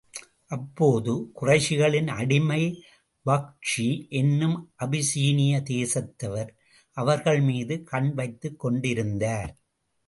அப்போது குறைஷிகளின் அடிமை வஹ்ஷி என்னும் அபிசீனிய தேசத்தவர், அவர்கள் மீது கண் வைத்துக் கொண்டிருந்தார்.